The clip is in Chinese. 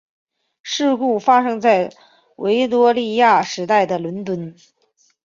故事发生在维多利亚时代的伦敦。